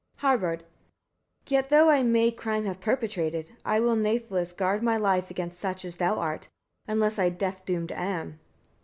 Harbard. 12. Yet, though I may crime have perpetrated, I will nathless guard my life against such as thou art; unless I death doomed am.